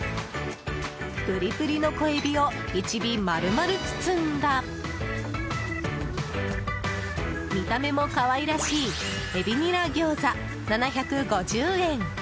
プリプリの小海老を１尾丸々包んだ見た目も可愛らしい海老にら餃子、７５０円。